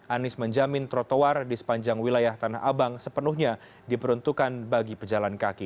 anies menjamin trotoar di sepanjang wilayah tanah abang sepenuhnya diperuntukkan bagi pejalan kaki